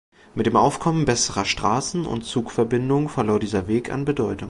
Mit dem Aufkommen besserer Straßen- und Zugverbindungen verlor dieser Weg an Bedeutung.